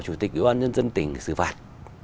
chủ tịch ủy ban nhân dân tỉnh xử phạt